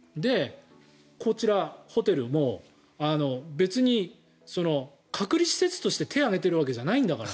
こちら、ホテルも別に隔離施設として手を挙げているわけじゃないんだから。